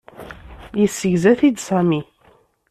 Yessegza-t-id Sami.